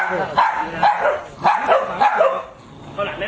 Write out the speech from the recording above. แต่จากการเล่นของมัน